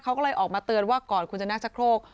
เขาก็เลยออกมาเตือนว่าก่อนคุณจะนั่งชะโครก